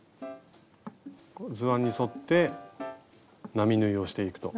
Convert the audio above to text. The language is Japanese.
図案に沿って並縫いをしていくと。